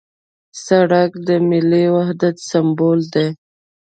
سړک د ملي وحدت سمبول دی.